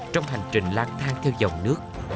trong hành trình lang thang theo dòng nước